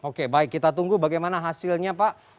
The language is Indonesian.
oke baik kita tunggu bagaimana hasilnya pak